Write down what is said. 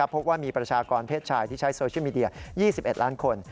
พบว่ามีประชากรเพศชายที่ใช้โซเชียลมีเดีย๒๑ล้านคน